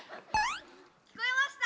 聞こえました！